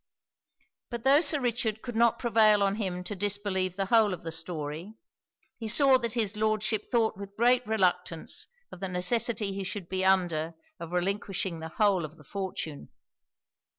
But tho' Sir Richard could not prevail on him to disbelieve the whole of the story, he saw that his Lordship thought with great reluctance of the necessity he should be under of relinquishing the whole of the fortune.